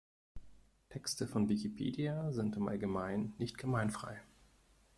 Texte von Wikipedia sind im Allgemeinen nicht gemeinfrei.